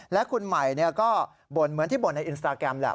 และคุณใหม่ก็บ่นเหมือนที่บ่นในอินสตราแกรมแหละ